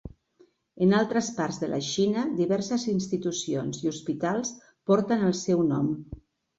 En altres parts de la Xina, diverses institucions i hospitals porten el seu nom.